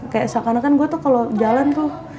kayak seakan akan gue tuh kalau jalan tuh